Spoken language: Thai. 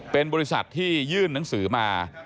เป็นบริษัทที่ยื่นหนังสือมา